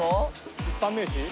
一般名詞？